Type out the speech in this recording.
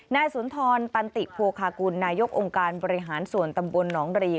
นายสุนทรตันติโภคากุลนายกองค์การบริหารส่วนตำบลหนองรี